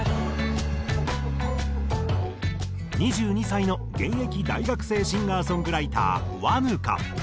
２２歳の現役大学生シンガーソングライター和ぬか。